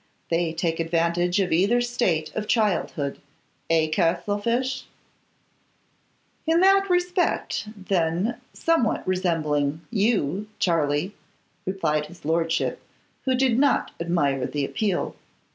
They take advantage of either state of childhood. Eh! Castlefyshe?' 'In that respect, then, somewhat resembling you, Charley,' replied his lordship, who did not admire the appeal.